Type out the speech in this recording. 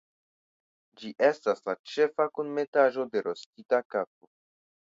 Ĝi estas la ĉefa kunmetaĵo de rostita kafo.